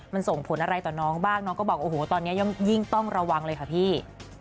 มันส่งผลอะไรต่อน้องบ้างน้องก็บอกโอ้โหตอนนี้ยิ่งต้องระวังเลยค่ะพี่